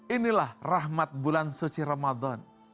inilah rahmat bulan suci ramadan